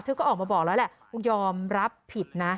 ก็ออกมาบอกแล้วแหละว่ายอมรับผิดนะ